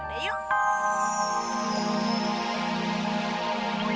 sampai jumpa lagi